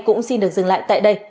cũng xin được dừng lại tại đây